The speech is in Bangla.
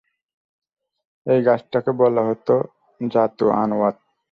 এ গাছটাকে বলা হত যাতু আনওয়াত।